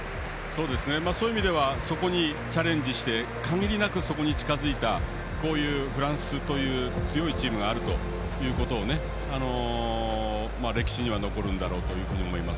そういう意味ではそこにチャレンジして限りなくそこに近づいたフランスという強いチームがあるということが歴史に残るだろうと思います。